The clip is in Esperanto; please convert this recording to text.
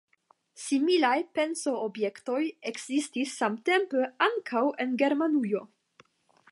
Similaj pensoobjektoj ekzistis samtempe ankaŭ en Germanujo.